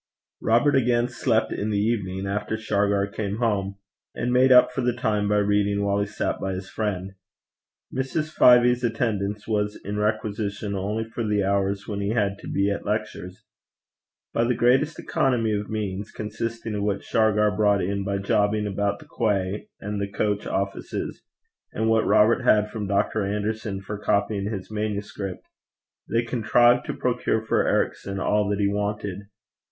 Robert again slept in the evening, after Shargar came home, and made up for the time by reading while he sat by his friend. Mrs. Fyvie's attendance was in requisition only for the hours when he had to be at lectures. By the greatest economy of means, consisting of what Shargar brought in by jobbing about the quay and the coach offices, and what Robert had from Dr. Anderson for copying his manuscript, they contrived to procure for Ericson all that he wanted.